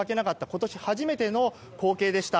今年初めての光景でした。